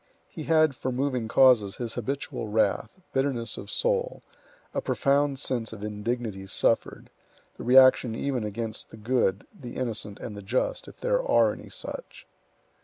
He had for moving causes his habitual wrath, bitterness of soul, a profound sense of indignities suffered, the reaction even against the good, the innocent, and the just, if there are any such.